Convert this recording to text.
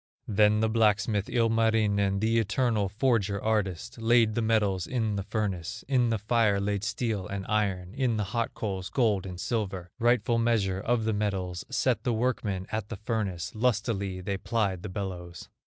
Then the blacksmith, Ilmarinen, The eternal forger artist, Laid the metals in the furnace, In the fire laid steel and iron, In the hot coals, gold and silver, Rightful measure of the metals; Set the workmen at the furnace, Lustily they plied the bellows.